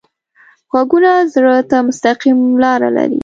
غږونه زړه ته مستقیم لاره لري